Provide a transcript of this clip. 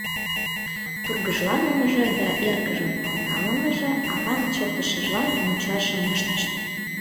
Тургыжланымыже да эргыжын ондалымыже аван чытышыжлан мучашым ыштышт.